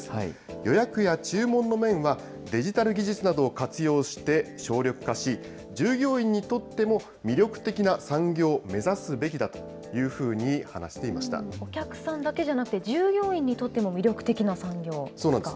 予約や注文の面は、デジタル技術などを活用して省力化し、従業員にとっても、魅力的な産業を目指すべきだというふうに話していまお客さんだけじゃなくて、従業員にとっても魅力的な産業ですか。